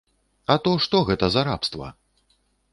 А то што гэта за рабства?!